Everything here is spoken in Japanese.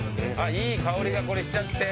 いい香りがこれしちゃって。